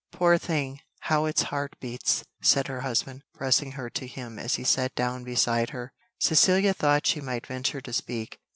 "Poor thing, how its heart beats!" said her husband, pressing her to him as he sat down beside her. Cecilia thought she might venture to speak.